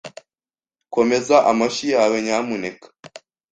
Komeza amashyi yawe, nyamuneka.